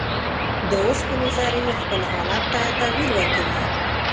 د اوسپنې ذرې خپل حالت ته تغیر ورکوي.